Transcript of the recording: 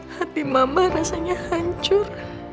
hati mama rasanya hancur